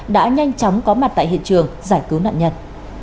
đã nhanh chóng có mặt tại hiện trường giải cứu nạn nhân